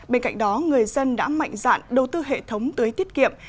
bên cạnh đó người dân đã mạnh dạn đầu tư hệ thống tưới tiết kiệm